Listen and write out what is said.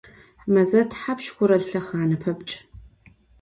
Meze thapşş xhura lhexhane pepçç?